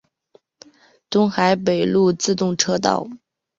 东海北陆自动车道。